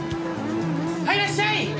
はいいらっしゃい！